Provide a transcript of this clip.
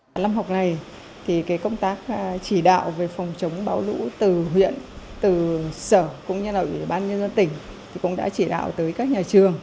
năm học này thì công tác chỉ đạo về phòng chống bão lũ từ huyện từ sở cũng như là ủy ban nhân dân tỉnh cũng đã chỉ đạo tới các nhà trường